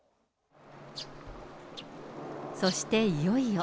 そしていよいよ。